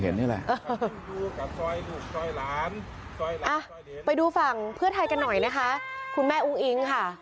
เห็นนี่แหละอ่าไปดูฝั่งเพื่อถ่ายกันหน่อยนะคะคุณแม่อุ๊ง